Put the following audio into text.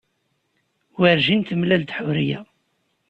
Werjin temlal-d Ḥuriya.